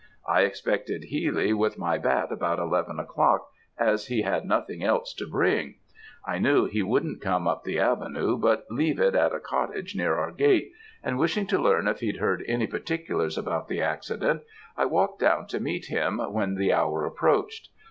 "I expected Healy with my bat about eleven o'clock, as he had nothing else to bring, I knew he wouldn't come up the avenue, but leave it at a cottage near our gate; and wishing to learn if he'd heard any particulars about the accident, I walked down to meet him when the hour approached.